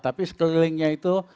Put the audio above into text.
tapi sekelilingnya itu